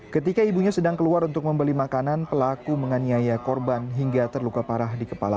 ketika ibunya sedang keluar untuk membeli makanan pelaku menganiaya korban hingga terluka parah di kepala